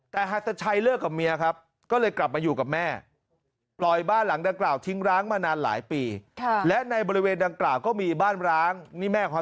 แต่หัดสะชัยเลิกกับเมียครับก็เลยกลับมาอยู่กับแม่